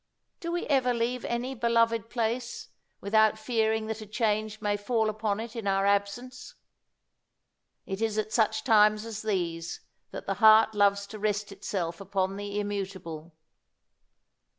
Do we ever leave any beloved place without fearing that a change may fall upon it in our absence? It is at such times as these that the heart loves to rest itself upon the Immutable.